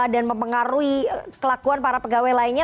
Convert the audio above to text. dan mempengaruhi kelakuan para pegawai lainnya